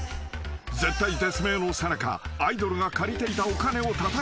［絶体絶命のさなかアイドルが借りていたお金をたたきつける］